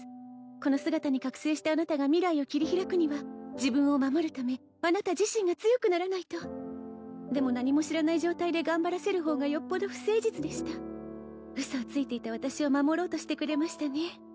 この姿に覚醒したあなたが未来を切り開くには自分を守るためあなた自身が強くならないとでも何も知らない状態で頑張らせる方がよっぽど不誠実でした嘘をついていた私を守ろうとしてくれましたね